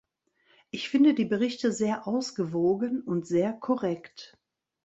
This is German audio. Ich finde die Berichte sehr ausgewogen und sehr korrekt.